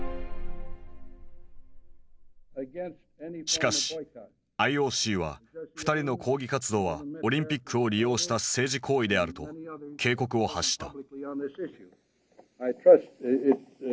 しかしＩＯＣは２人の抗議活動はオリンピックを利用した政治行為であると警告を発した。